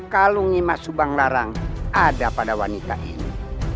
kalau nimas subang lara ada pada wanita ini